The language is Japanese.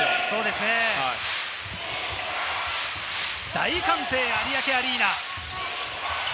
大歓声の有明アリーナ。